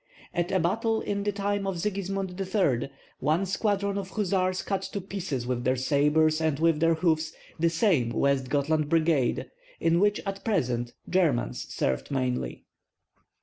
At a battle in the time of Sigismund III. one squadron of hussars cut to pieces with their sabres and with hoofs this same West Gothland brigade, in which at present Germans served mainly.